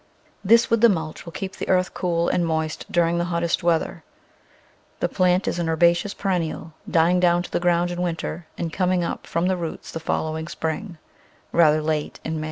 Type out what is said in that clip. This with the mulch will keep the earth cool and moist during the hottest weather. The plant is an herbaceous perennial, dying down to the ground in winter and coming up from the roots the following spring — rather late in May.